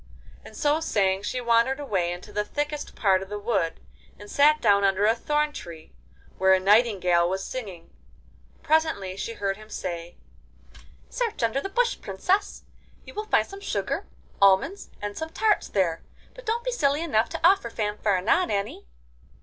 And so saying she wandered away into the thickest part of the wood, and sat down under a thorn tree, where a nightingale was singing. Presently she heard him say: 'Search under the bush Princess; you will find some sugar, almonds, and some tarts there But don't be silly enough to offer Fanfaronade any.